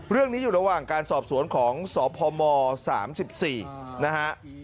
เรื่องนี้อยู่ระหว่างการสอบสวนของสอบภม๓๔นะฮะ